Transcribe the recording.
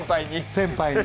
先輩に。